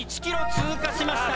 １ｋｍ通過しました。